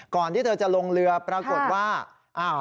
ก่อนที่เธอจะลงเรือปรากฏว่า